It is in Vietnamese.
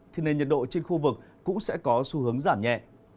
thì nền nhiệt độ trên khu vực cũng sẽ có xu hướng giảm nhẹ